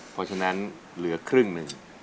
เพราะฉะนั้นเหลือครึ่งหนึ่ง